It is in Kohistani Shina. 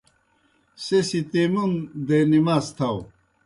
سہ سی تیمون دے نماز تھاؤ۔